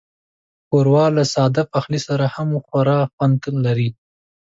ښوروا له ساده پخلي سره هم خورا خوند لري.